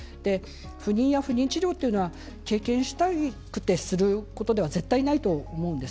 不妊や不妊治療というのは経験したくてすることでは絶対ないと思うんです。